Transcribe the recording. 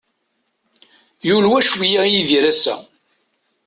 Yulwa cwiya Yidir ass-a.